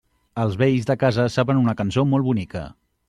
Els vells de casa saben una cançó molt bonica.